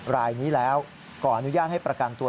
รายนี้แล้วขออนุญาตให้ประกันตัว